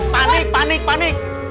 panik panik panik